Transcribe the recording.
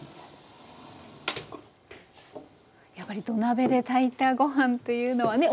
やっぱり土鍋で炊いたご飯っていうのはね